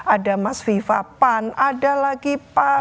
ada mas viva pan ada lagi pak